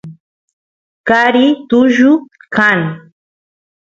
qari tullu kan